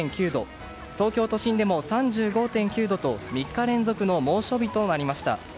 東京都心でも３５．９度と３日連続の猛暑日となりました。